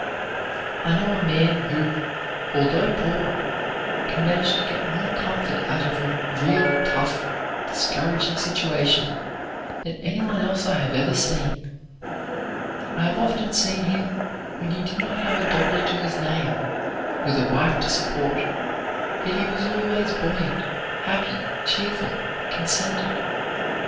I know a man who, although poor, can manage to get more comfort out of a real tough, discouraging situation than any one else I have ever seen. I have often seen him when he did not have a dollar to his name, with a wife to support; yet he was always buoyant, happy, cheerful, consented.